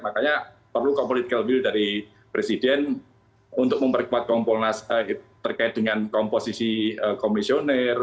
makanya perlu compolitical will dari presiden untuk memperkuat kompolnas terkait dengan komposisi komisioner